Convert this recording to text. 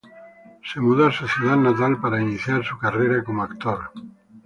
Se mudó a su ciudad natal para iniciar su carrera cómo actor.